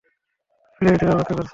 ফ্ল্যারেটিরা অপেক্ষা করছে।